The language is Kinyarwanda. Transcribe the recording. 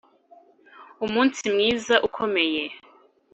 umunsi mwiza ukomeye,